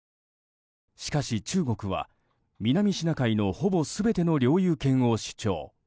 しかし中国は南シナ海のほぼ全ての領有権を主張。